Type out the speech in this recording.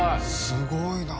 すごいな。